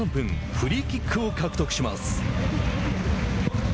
フリーキックを獲得します。